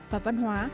và văn hóa